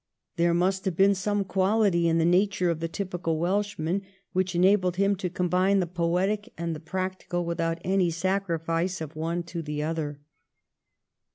There must have been some quality in the nature of the typical Welshman which enabled him to combine the poetic and the practical without any sacrifice of one to the other.